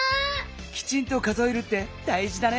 きちんと数えるってだいじだね。